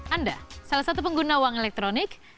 anda salah satu pengguna uang elektronik